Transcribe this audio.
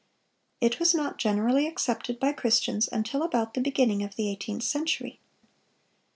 It was not generally accepted by Christians until about the beginning of the eighteenth century.